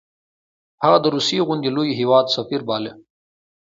هغه د روسیې غوندې لوی هیواد سفیر باله.